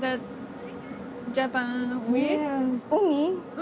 海！